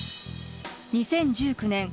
２０１９年